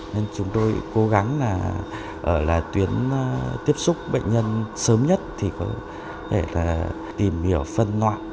nên chúng tôi cố gắng là ở là tuyến tiếp xúc bệnh nhân sớm nhất thì có thể là tìm hiểu phân loạn